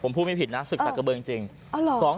ผมพูดไม่ผิดนะศึกสักกระเบืองจริง